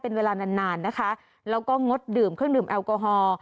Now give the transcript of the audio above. เป็นเวลานานนานนะคะแล้วก็งดดื่มเครื่องดื่มแอลกอฮอล์